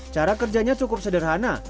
cara kerjanya cukup sederhana